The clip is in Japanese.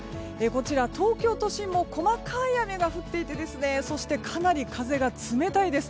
こちら東京都心も細かい雨が降っていてそして、かなり風が冷たいです。